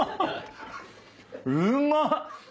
うまっ！